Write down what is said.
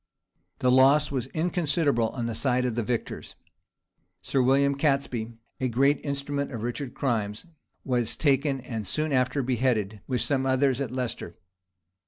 The loss was inconsiderable on the side of the victors. Sir William Catesby, a great instrument of Richard's crimes, was taken, and soon after beheaded, with some others, at Leicester.